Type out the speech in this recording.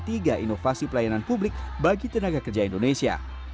tiga inovasi pelayanan publik bagi tenaga kerja indonesia